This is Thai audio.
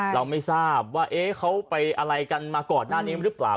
เราไม่ทราบว่าเขาไปอะไรกันมาก่อนหน้านี้หรือเปล่า